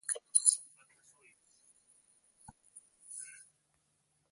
سګرټ څکول ضرر لري.